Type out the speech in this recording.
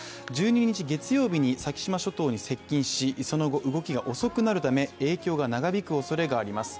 １２日、月曜日に先島諸島に接近しその後、動きが遅くなるため影響が長引くおそれがあります。